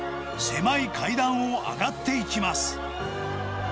狭い階段を上がっていきます。